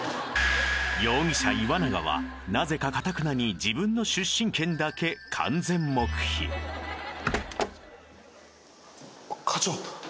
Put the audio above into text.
容疑者岩永はなぜか頑なに自分の出身県だけ完全黙秘あ課長。